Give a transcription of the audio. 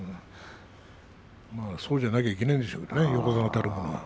そうじゃなきゃいけないんでしょうね、横綱たるもの。